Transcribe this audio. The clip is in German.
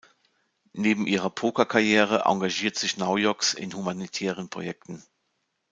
Neben ihrer Pokerkarriere engagiert sich Naujoks in humanitären Projekten.